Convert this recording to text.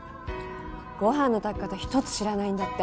ご飯の炊き方ひとつ知らないんだって。